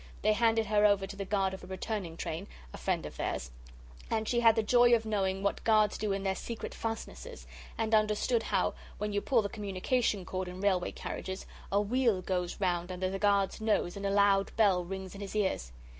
They handed her over to the guard of a returning train a friend of theirs and she had the joy of knowing what guards do in their secret fastnesses, and understood how, when you pull the communication cord in railway carriages, a wheel goes round under the guard's nose and a loud bell rings in his ears.